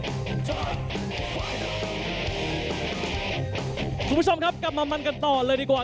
คุณผู้ชมครับกลับมามันกันต่อเลยดีกว่า